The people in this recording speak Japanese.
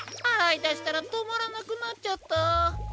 あらいだしたらとまらなくなっちゃった。